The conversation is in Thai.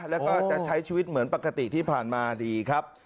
แล้วก็จะใช้ชีวิตเหมือนปกติที่ผ่านมาดีครับ